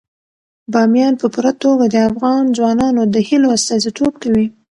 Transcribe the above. بامیان په پوره توګه د افغان ځوانانو د هیلو استازیتوب کوي.